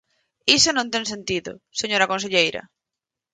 Iso non ten sentido, señora conselleira.